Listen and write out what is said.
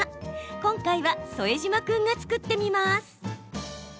今回は副島君が作ってみます。